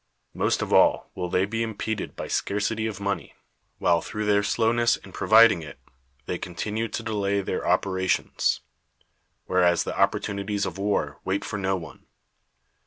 Most of all will they be impeded by scarcity of money, while, through their slowness in pro viding it, they continue to delay their operations; whereas the opportunities of war wait for no one.